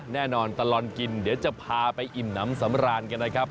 แน่นอนตลอดกินเดี๋ยวจะพาไปอิ่มน้ำสำราญกันนะครับ